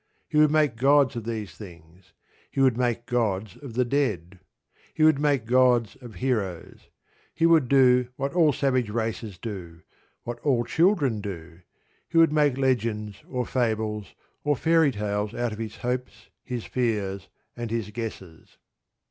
He would make gods of these things. He would make gods of the dead. He would make gods of heroes. He would do what all savage races do, what all children do: he would make legends, or fables, or fairy tales out of his hopes, his fears, and his guesses.